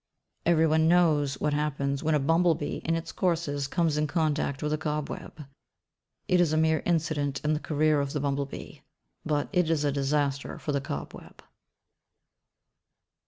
Every one knows what happens when a bumble bee in its courses comes in contact with a cobweb. It is a mere incident in the career of the bumble bee but it is a disaster for the cobweb.